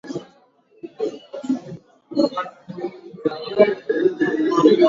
Uturuki na Ugiriki Mnamo mwaka wa elfumoja miatisa hamsini na mbili